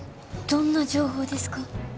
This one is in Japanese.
どんな情報ですか？